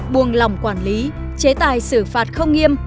buông lỏng quản lý chế tài xử phạt không nghiêm